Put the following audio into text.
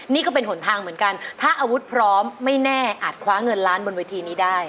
นี่ก็เป็นหนทางเหมือนกันถ้าอาวุธพร้อมไม่แน่อาจคว้าเงินล้านบนเวทีนี้ได้